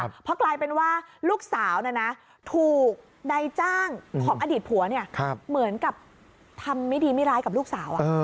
เพราะกลายเป็นว่าลูกสาวถูกนายจ้างของอดีตผัวเนี่ยเหมือนกับทำไม่ดีไม่ร้ายกับลูกสาว